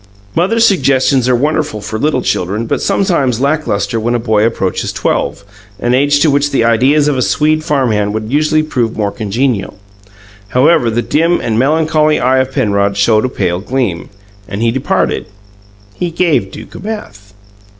Mothers' suggestions are wonderful for little children but sometimes lack lustre when a boy approaches twelve an age to which the ideas of a Swede farm hand would usually prove more congenial. However, the dim and melancholy eye of Penrod showed a pale gleam, and he departed. He gave Duke a bath.